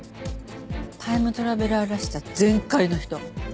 タイムトラベラーらしさ全開の人。